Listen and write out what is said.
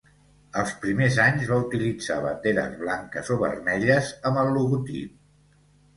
Els primers anys va utilitzar banderes blanques o vermelles amb el logotip.